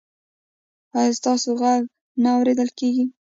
ایا ستاسو غږ نه اوریدل کیږي؟